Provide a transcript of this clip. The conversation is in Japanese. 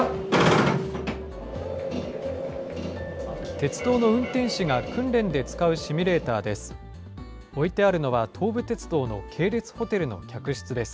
鉄道の運転士が訓練で使うシミュレーターです。